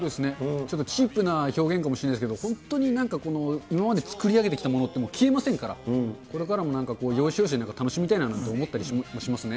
ちょっとチープな表現かもしれないけれども、本当に今まで作り上げてきたものって、消えませんから、これからも要所要所、楽しみたいなと思ったりしますね。